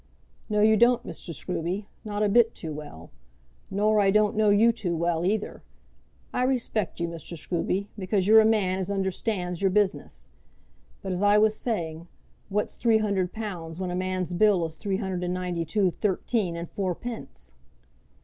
"No you don't, Mr. Scruby; not a bit too well. Nor I don't know you too well, either. I respect you, Mr. Scruby, because you're a man as understands your business. But as I was saying, what's three hundred pounds when a man's bill is three hundred and ninety two thirteen and fourpence?"